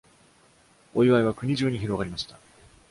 お祝いは国中に広がりました。